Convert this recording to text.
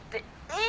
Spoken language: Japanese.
え！